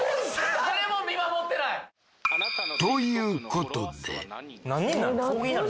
誰も見守ってないということで何人なん？